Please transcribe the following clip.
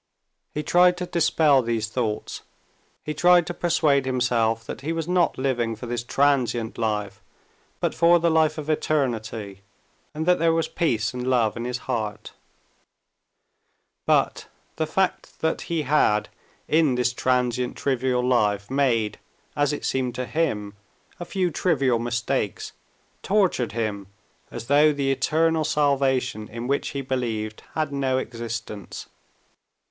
He tried to dispel these thoughts, he tried to persuade himself that he was not living for this transient life, but for the life of eternity, and that there was peace and love in his heart. But the fact that he had in this transient, trivial life made, as it seemed to him, a few trivial mistakes tortured him as though the eternal salvation in which he believed had no existence.